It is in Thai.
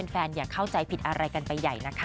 อย่าเข้าใจผิดอะไรกันไปใหญ่นะคะ